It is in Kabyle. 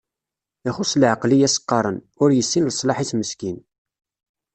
Ixuṣ leɛqel i as-qqaren, ur yessin leṣlaḥ-is meskin.